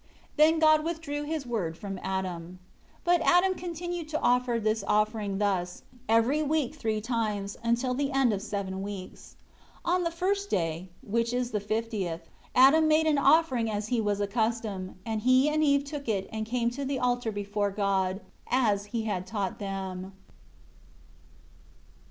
24 Then God withdrew His Word from Adam. 25 But Adam continued to offer this offering thus, every week three times, until the end of seven weeks. And on the first day, which is the fiftieth, Adam made an offering as he was accustomed, and he and Eve took it and came to the altar before God, as He had taught them.